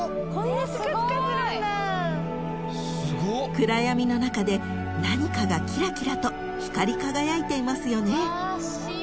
［暗闇の中で何かがキラキラと光り輝いていますよね］